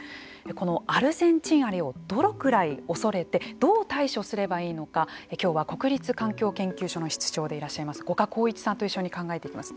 このアルゼンチンアリをどのぐらい恐れてどう対処すればいいのかきょうは国立環境研究所の室長でいらっしゃいます五箇公一さんと一緒に考えていきます。